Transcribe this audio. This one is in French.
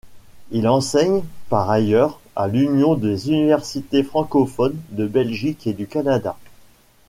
Il enseigne par ailleurs à l’Union des universités francophones de Belgique et du Canada.